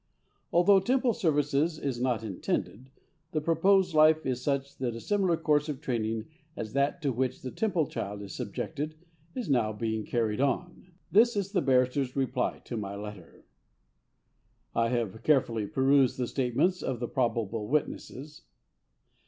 Although Temple service is not intended, the proposed life is such that a similar course of training as that to which the Temple child is subjected, is now being carried on. This is the barrister's reply to my letter: "I have carefully perused the statements of the probable witnesses.